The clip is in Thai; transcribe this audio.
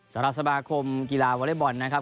สำหรับสมาคมกีฬาวอเล็กบอลนะครับ